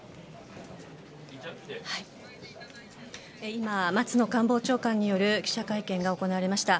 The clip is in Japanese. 今、松野官房長官による記者会見が行われました。